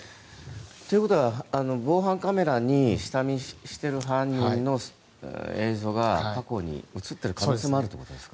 ということは防犯カメラに下見している犯人の映像が、過去に映っている可能性もあるんですか。